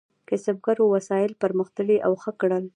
کسبګرو وسایل پرمختللي او ښه کړل.